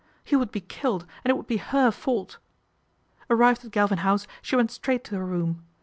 He would be killed and it would be her fault ! Arrived at Galvin House she went straight to her room.